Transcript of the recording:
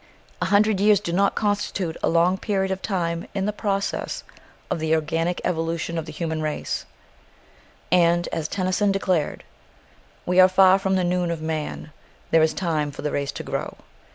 A hundred years do not constitute a long period of time in the process of the organic evolution of the human race, and, as Tennyson declared, We are far from the noon of man There is time for the race to grow.